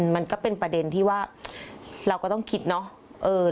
มันก็เป็นประเด็นที่ว่าเราก็ต้องคิดเนาะ